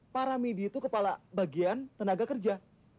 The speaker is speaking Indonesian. pak ramidi itu kepala bagian tenaga kerja